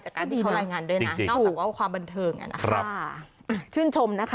หลาย